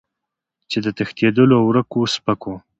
چې د تښتېدلو او ورکو سپکو